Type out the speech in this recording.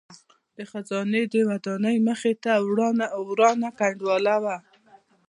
د خزانې د ودانۍ مخې ته ورانه کنډواله وه.